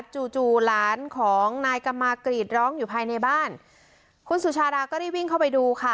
จู่จู่หลานของนายกำมากรีดร้องอยู่ภายในบ้านคุณสุชาดาก็ได้วิ่งเข้าไปดูค่ะ